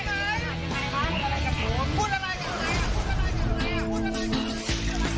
พูดอะไรพูดอะไร